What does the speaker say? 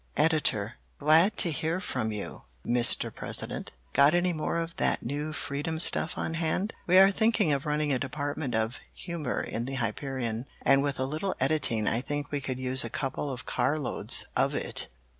"Editor Glad to hear from you, Mr. President. Got any more of that new Freedom stuff on hand? We are thinking of running a Department of Humor in the Hyperion, and with a little editing I think we could use a couple of carloads of it.